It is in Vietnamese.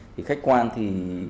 thì khách quan thì